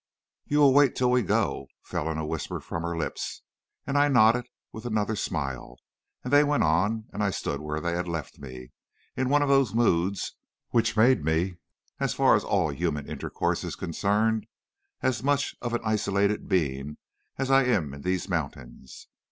"'You will wait till we go?' fell in a whisper from her lips; and I nodded with another smile, and they went on and I stood where they had left me, in one of those moods which made me, as far as all human intercourse is concerned, as much of an isolated being as I am in these mountains.